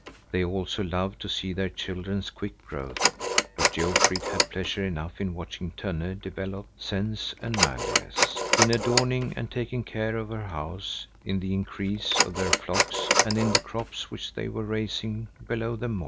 They also love to see their children's quick growth; but Jofrid had pleasure enough in watching Tönne develop sense and manliness, in adorning and taking care of her house, in the increase of their flocks, and in the crops which they were raising below on the moor.